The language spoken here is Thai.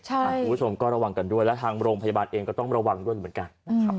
คุณผู้ชมก็ระวังกันด้วยและทางโรงพยาบาลเองก็ต้องระวังด้วยเหมือนกันนะครับ